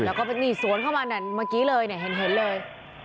แล้วก็นี่สวนเข้ามานั่นเมื่อกี้เลยเนี่ยเห็นเลย